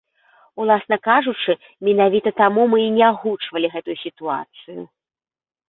Уласна кажучы, менавіта таму мы і не агучвалі гэтую сітуацыю.